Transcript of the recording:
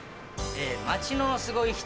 街のすごい人